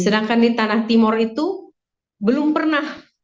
sedangkan di tanah timur itu belum pernah